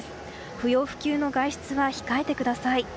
不要不急の外出は控えてください。